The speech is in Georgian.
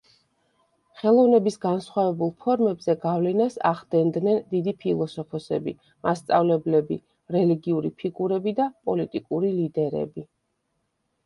ხელოვნების განსხვავებულ ფორმებზე გავლენას ახდენდნენ დიდი ფილოსოფოსები, მასწავლებლები, რელიგიური ფიგურები და პოლიტიკური ლიდერები.